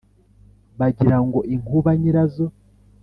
. Bagira ngo inkuba nyirazo